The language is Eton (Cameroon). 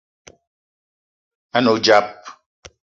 A ne odzap